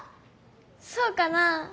そうかなあ？